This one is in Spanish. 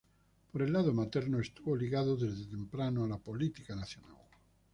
Por el lado materno estuvo ligado desde temprano a la política nacional.